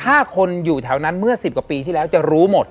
ถ้าคนอยู่แถวนั้นเมื่อ๑๐กว่าปีที่แล้วจะรู้หมด